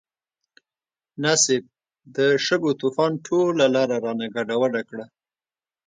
نه صيب، د شګو طوفان ټوله لاره رانه ګډوډه کړه.